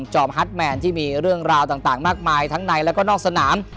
ฮัตแมนที่มีเรื่องราวต่างมากมายทั้งในแล้วก็นอกสนาม